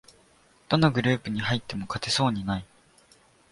どのグループに入っても勝てそうにない